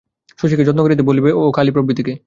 শশীকে যত্ন করিতে বলিবে ও কালী প্রভৃতিকে।